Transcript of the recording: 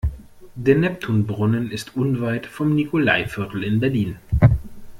Der Neptunbrunnen ist unweit vom Nikolaiviertel in Berlin.